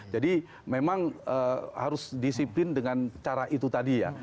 jadi memang harus disiplin dengan cara itu tadi ya